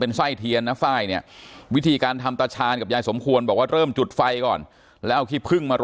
ไส้เทียนนะไฟล์เนี่ยวิธีการทำตาชาญกับยายสมควรบอกว่าเริ่มจุดไฟก่อนแล้วเอาขี้พึ่งมารอ